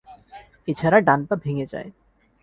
এ ছাড়া ডান পা ভেঙে যায়।